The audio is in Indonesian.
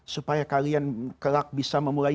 supaya kalian kelak bisa memulai